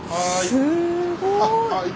すごい。